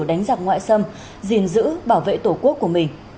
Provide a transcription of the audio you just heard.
đánh giặc ngoại xâm diện giữ bảo vệ tổ quốc của mình